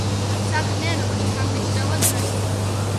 საქმიანობა შთამბეჭდავად დაიწყო.